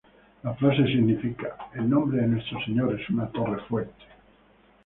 La frase significa "El nombre de nuestro Señor es una torre fuerte.